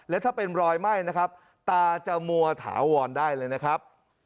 และถ้าเป็นรอยไหม้นะครับตาจะมัวถาวรได้เลยนะครับ